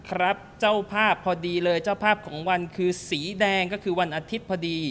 ครับเจ้าภาพพอดีเลยเจ้าภาพของวันคือสีแดงก็คือวันอาทิตย์พอดี